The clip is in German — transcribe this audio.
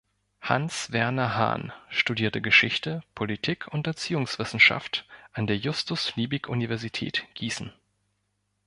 Hans-Werner Hahn studierte Geschichte, Politik- und Erziehungswissenschaft an der Justus-Liebig-Universität Gießen.